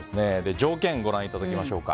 条件をご覧いただきましょう。